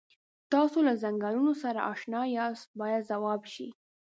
تاسو له څنګلونو سره اشنا یاست باید ځواب شي.